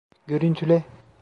Görüntüle!